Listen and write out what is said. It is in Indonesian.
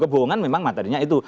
kebohongan memang matanya itu